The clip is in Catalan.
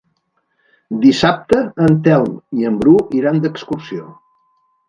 Dissabte en Telm i en Bru iran d'excursió.